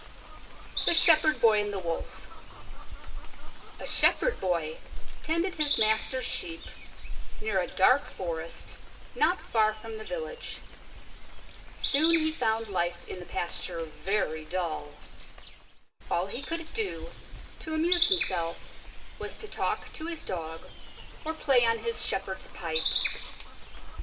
_ THE SHEPHERD BOY AND THE WOLF A Shepherd Boy tended his master's Sheep near a dark forest not far from the village. Soon he found life in the pasture very dull. All he could do to amuse himself was to talk to his dog or play on his shepherd's pipe.